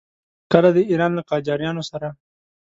کله د ایران له قاجاریانو سره.